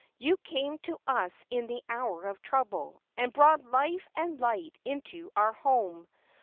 You came to us in the hour of trouble, and brought life and light into our home.